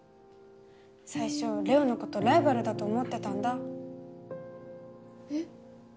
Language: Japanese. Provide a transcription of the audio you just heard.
最初れおのことライバルだと思ってたんだえっ？